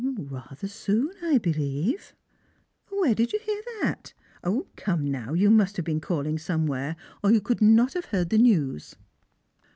" Rather soon, I believe." " Where did you hear that ? Come now, you must have been calling somewhere, or you would not have heard the news."